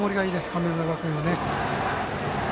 神村学園はね。